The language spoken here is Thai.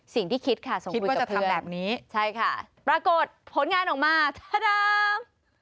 สิ่งที่คิดค่ะส่งภูมิกับเพื่อนใช่ค่ะปรากฏผลงานออกมาต้าดำ